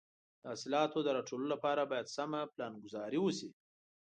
د حاصلاتو د راټولولو لپاره باید سمه پلانګذاري وشي.